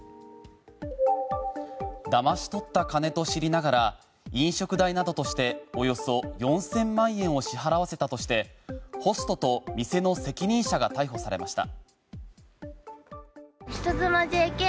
だまし取った金と知りながら飲食代などとしておよそ４０００万円を支払わせたとしてホストと店の責任者が逮捕されました。